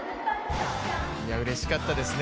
うれしかったですね